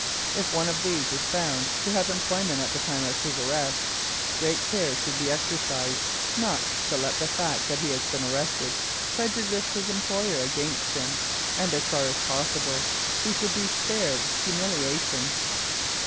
If one of these is found to have employment at the time of his arrest, great care should be exercised not to let the fact that he has been arrested prejudice his employer against him, and as far as possible he should be spared humiliation.